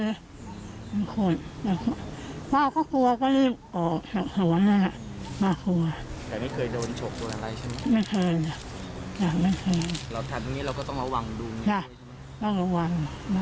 แล้วแถมนี้เราก็ต้องระวังลุงเนี่ยใช่ไหมใช่ต้องระวังมาก